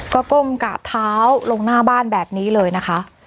ก็ก้มกราบเท้าลงหน้าบ้านแบบนี้เลยนะคะ